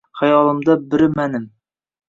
Xayolimda biri manim